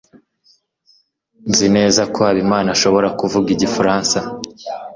nzi neza ko habimana ashobora kuvuga igifaransa